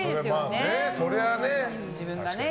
そりゃあね。